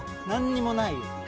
何にもない。